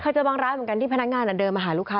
เจอบางร้านเหมือนกันที่พนักงานเดินมาหาลูกค้า